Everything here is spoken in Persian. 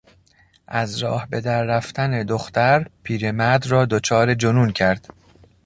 از راه به در رفتن دختر، پیرمرد را دچار جنون کرد.